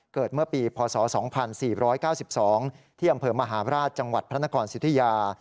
เกิดเมื่อปีพศ๒๔๙๒ที่อำเภอมหาราชจังหวัดพระนครสิทธิยา